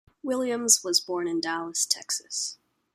Williams was born in Dallas, Texas.